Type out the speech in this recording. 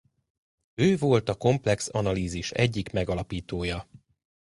Ő volt a komplex analízis egyik megalapítója.